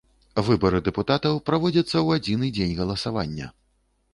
Выбары дэпутатаў праводзяцца ў адзіны дзень галасавання.